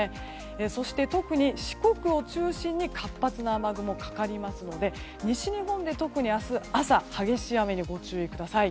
そして特に四国を中心に活発な雨雲がかかりますので西日本で、特に明日朝激しい雨にご注意ください。